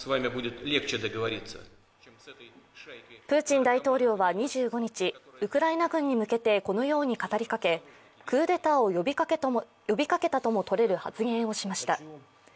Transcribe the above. プーチン大統領は２５日、ウクライナ軍に向けてこのように語りかけクーデターを呼びかけたともとれる発言をしました。